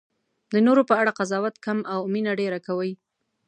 د نورو په اړه قضاوت کم او مینه ډېره کوئ.